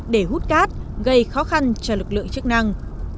để hút cát gây khó khăn cho lực lượng chức năng